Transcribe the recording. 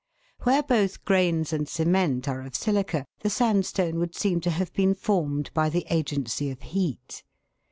Where both grains and cement are of silica, the sandstone would seem to have been formed by the agency of heat.